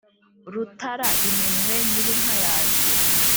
rutara iminwe nyir’ inka yaje,